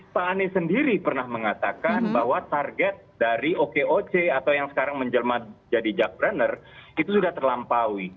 pak anies sendiri pernah mengatakan bahwa target dari okoc atau yang sekarang menjelma jadi jack breneur itu sudah terlampaui